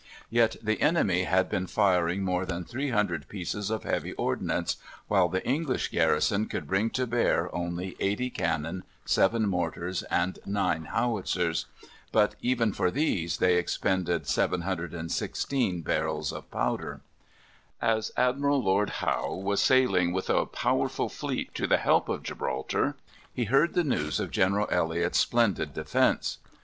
Yet the enemy had been firing more than 300 pieces of heavy ordnance, while the English garrison could bring to bear only 80 cannon, 7 mortars, and 9 howitzers; but even for these they expended 716 barrels of powder. As Admiral Lord Howe was sailing with a powerful fleet to the help of Gibraltar, he heard the news of General Elliot's splendid defence.